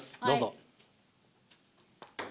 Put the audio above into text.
どうぞ。